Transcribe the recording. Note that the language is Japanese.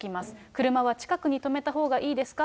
車は近くに止めたほうがいいですか？